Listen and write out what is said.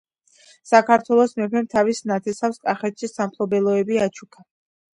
საქართველოს მეფემ თავის ნათესავს კახეთში სამფლობელოები აჩუქა.